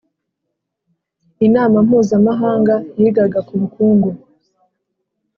Inama mpuzamahanga yigaga ku bukungu